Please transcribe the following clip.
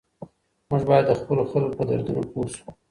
موږ باید د خپلو خلګو په دردونو پوه سو.